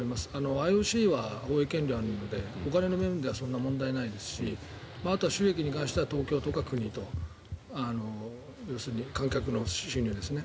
ＩＯＣは放映権料があるのでお金の面では問題ないですしあとは収益に関しては国とか東京都要するに観客の収入ですね。